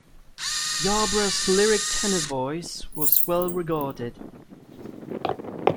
Yarbrough's lyric tenor voice was well-regarded.